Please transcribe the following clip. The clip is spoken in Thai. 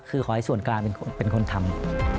คือขอให้ส่วนกลางเป็นคนทำ